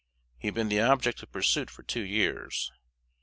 He had been the object of pursuit for two years.